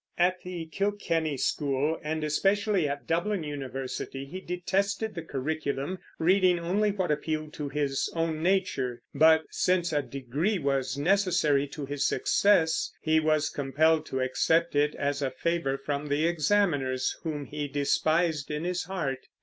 At the Kilkenny school, and especially at Dublin University, he detested the curriculum, reading only what appealed to his own nature; but, since a degree was necessary to his success, he was compelled to accept it as a favor from the examiners, whom he despised in his heart.